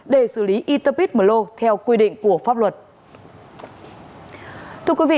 để xử lý interpid mlo theo quy định của pháp luật